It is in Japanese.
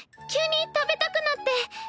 急に食べたくなって。